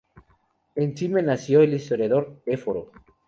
En Cime nació el historiador Éforo.